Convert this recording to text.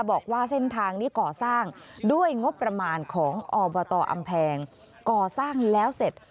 บอกว่าเส้นทางนี้ก่อสร้างด้วยงบประมาณของอบตอำแพงก่อสร้างแล้วเสร็จ